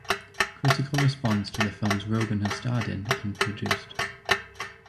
Critical response to the films Rogen has starred in and produced.